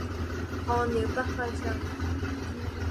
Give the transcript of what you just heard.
看了不開心